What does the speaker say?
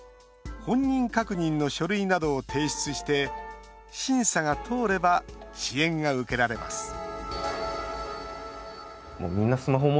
本人確認の書類などを提出して審査が通れば支援が受けられます